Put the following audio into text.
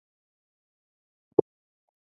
که انسان صبر ولري، نو ستونزې به اسانه شي.